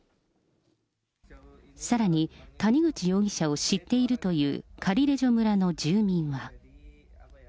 さらに谷口容疑者を知っているという、カリレジョ村の住民は。